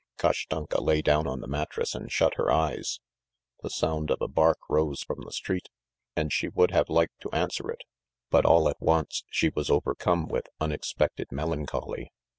Kashtanka lay down on the mattress and shut her eyes; the sound of a bark rose from the street, and she would have liked to answer it, but all at once she was overcome with unexpected melancholy.